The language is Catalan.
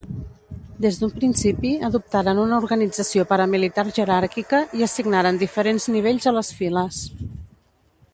Des d'un principi adoptaren una organització paramilitar jeràrquica, i assignaren diferents nivells a les files.